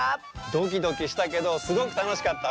ドキドキしたけどすごくたのしかった。